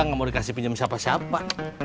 gak mau dikasih pinjem siapa siapa